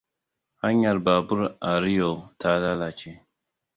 Hanyar babur a Rio ta lalace.